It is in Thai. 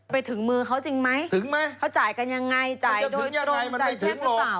ไปถึงมือเขาจริงไหมถึงไหมเขาจ่ายกันยังไงจ่ายโดยตรงจ่ายแช่งหรือเปล่า